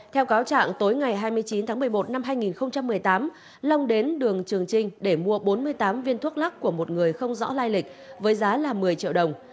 theo cáo trạng tối ngày hai mươi chín tháng một mươi một năm hai nghìn một mươi tám long đến đường trường trinh để mua bốn mươi tám viên thuốc lắc của một người không rõ lai lịch với giá là một mươi triệu đồng